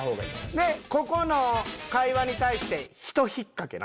でここの会話に対してひと引っ掛けな。